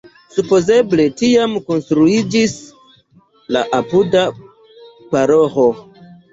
Supozeble tiam konstruiĝis la apuda paroĥo.